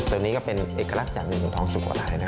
ตัวนี้ก็เป็นเอกลักษณ์อย่างหนึ่งของท้องสุโขทัยนะ